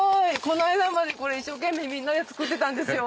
この間までこれ一生懸命みんなで作ってたんですよ。